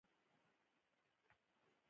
زنداني کیدل دومره غټه خبره نه ده.